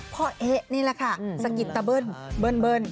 พ่อเอ๊ะนี่ละค่ะสกิดเบิ้ลเบิ้ล